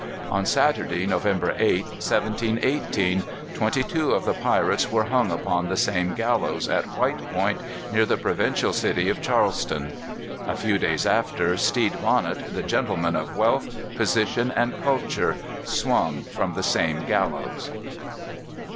On Saturday, November 8th, 1718, twenty two of the pirates were hung upon the same gallows, at White Point, near the provincial city of Charleston. A few days after, Stede Bonnet, the gentleman of wealth, position, and culture, swung from the same gallows.